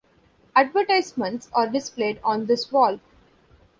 Advertisements are displayed on this wall.